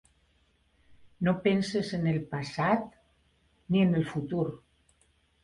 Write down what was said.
No penses en el passat, ni en el futur.